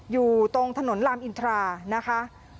อยู่ตรงถนนลามอินทรานะคะ